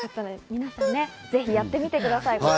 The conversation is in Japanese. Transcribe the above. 皆さん、ぜひやってみてください。